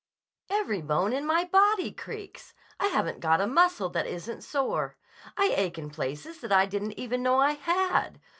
"Every bone in my body creaks. I haven't got a muscle that isn't sore. I ache in places that I didn't even know I had.